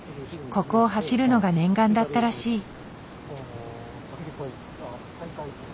ここを走るのが念願だったらしい。